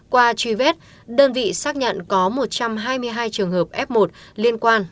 qua truy vết đơn vị xác nhận có một trăm hai mươi hai trường hợp f một liên quan